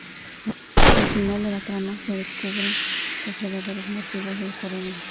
Al final de la trama se descubren los verdaderos motivos del coronel.